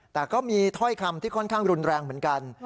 แต่ก็มีถ้อยคำที่ค่อนข้างรุนแรงเหมือนกัน